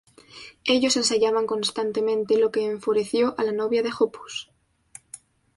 Ellos ensayaban constantemente, lo que enfureció a la novia de Hoppus.